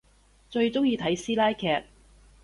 最中意睇師奶劇